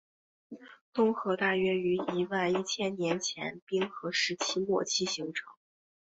东河大约于一万一千年前冰河时期末期时形成。